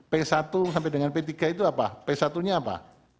p satu sampai dengan p tiga itu apa p satu nya apa